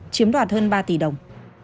chiếm đoạt hơn ba tỷ đồng